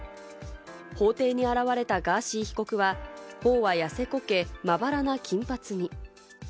法廷に現れたガーシー被告は頬はやせこけ、まばらな金髪に。